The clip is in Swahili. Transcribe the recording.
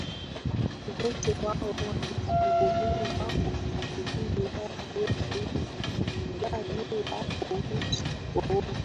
urithi wao walibaguliwa Majaribio yote ya kupigania uhuru